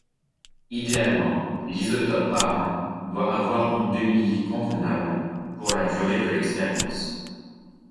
Idéalement, l'isotope parent doit avoir une demi-vie convenable pour la durée de l'expérience.